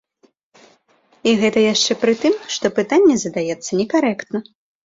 І гэта яшчэ пры тым, што пытанне задаецца некарэктна.